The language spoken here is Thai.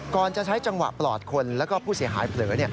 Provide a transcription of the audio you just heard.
จะใช้จังหวะปลอดคนแล้วก็ผู้เสียหายเผลอ